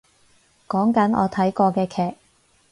講緊我睇過嘅劇